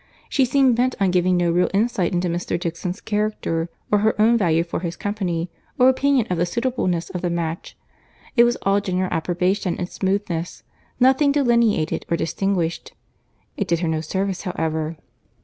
She seemed bent on giving no real insight into Mr. Dixon's character, or her own value for his company, or opinion of the suitableness of the match. It was all general approbation and smoothness; nothing delineated or distinguished. It did her no service however.